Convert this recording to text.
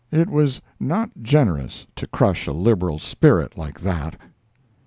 It was not generous to crush a liberal spirit like that.